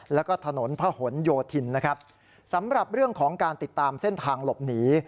แล้วก็ถนนพระหลโยธินนะครับสำหรับเรื่องของการติดตามเส้นทางหลบหนี